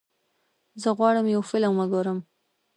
زه غواړم یو فلم وګورم.